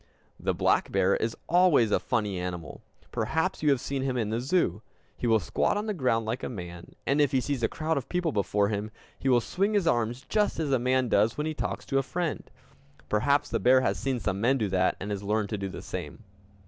The black bear is always a funny animal. Perhaps you have seen him in the zoo. He will squat on the ground like a man, and if he sees a crowd of people before him, he will swing his arms just as a man does when he talks to a friend. Perhaps the bear has seen some men do that, and has learned to do the same!